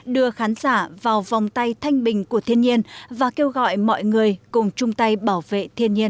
đưa khán giả vào vòng tay thanh bình của thiên nhiên và kêu gọi mọi người cùng chung tay bảo vệ thiên nhiên